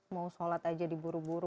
mau sholat aja diburu buru